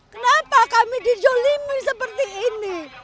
kenapa kami dijolimi seperti ini